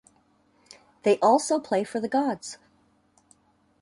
They also play for the gods.